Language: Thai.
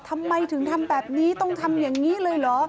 ทำไมถึงทำแบบนี้ต้องทำอย่างนี้เลยเหรอ